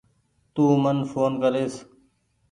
تو من ڦون ڪريس